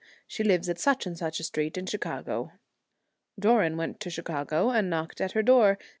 She lives at such and such a street in Chicago.' Doran went to Chicago and knocked at her door.